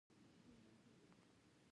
آیا د چارمغز پوستکي تور رنګ نه ورکوي؟